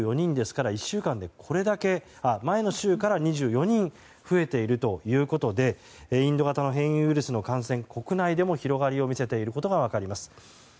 前の週から２４人増えているということでインド型の変異ウイルスの感染が国内でも広がりを見せていることが分かります。